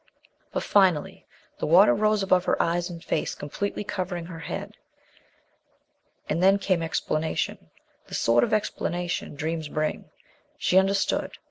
But, finally, the water rose above her eyes and face, completely covering her head. And then came explanation the sort of explanation dreams bring. She understood.